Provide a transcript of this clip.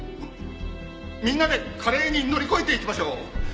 みんなで華麗に乗り越えていきましょう。